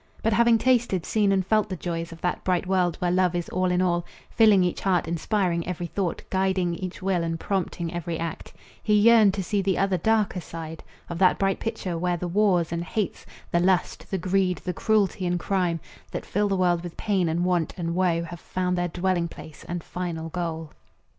But having tasted, seen and felt the joys Of that bright world where love is all in all, Filling each heart, inspiring every thought, Guiding each will and prompting every act, He yearned to see the other, darker side Of that bright picture, where the wars and hates, The lust, the greed, the cruelty and crime That fill the world with pain and want and woe Have found their dwelling place and final goal.